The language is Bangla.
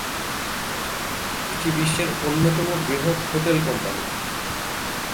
এটি বিশ্বের অন্যতম বৃহৎ হোটেল কোম্পানি।